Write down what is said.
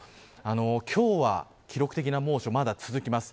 今日は記録的な猛暑まだ続きます。